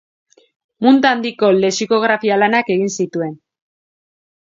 Munta handiko lexikografia-lanak egin zituen.